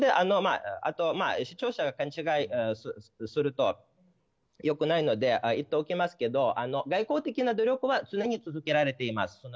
あと視聴者が勘違いするとよくないので言っておきますけど外交的な努力は常に続けられています。